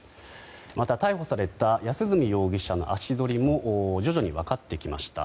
また、逮捕された安栖容疑者の足取りも徐々に分かってきました。